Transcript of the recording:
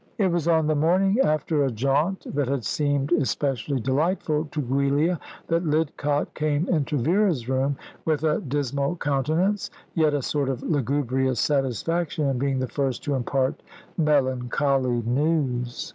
It was on the morning after a jaunt that had seamed especially delightful to Giulia that Lidcott came into Vera's room, with a dismal countenance, yet a sort of lugubrious satisfaction in being the first to impart melancholy news.